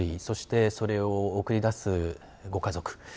そして、それを送り出すご家族。